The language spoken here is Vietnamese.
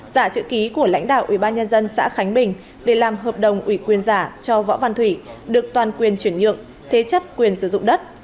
giả chữ ký của lãnh đạo ủy ban nhân dân xã khánh bình để làm hợp đồng ủy quyền giả cho võ văn thủy được toàn quyền chuyển nhượng thế chất quyền sử dụng đất